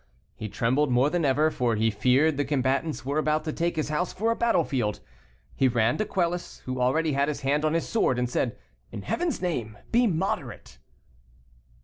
He trembled more than ever, for he feared the combatants were about to take his house for a battle field. He ran to Quelus, who already had his hand on his sword, and said, "In Heaven's name be moderate."